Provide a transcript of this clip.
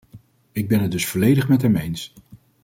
Ik ben het dus volledig met hem eens.